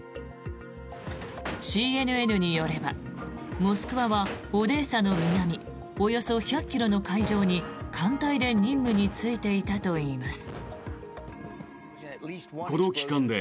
ＣＮＮによれば「モスクワ」はオデーサの南およそ１００ｋｍの海上に艦隊で任務に就いていたといいます。